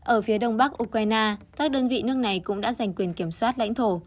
ở phía đông bắc ukraine các đơn vị nước này cũng đã giành quyền kiểm soát lãnh thổ